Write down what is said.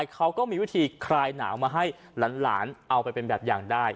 เขาก็มีวิธีคลายหนาวมาให้หลานเอาไปเป็นแบบอย่างได้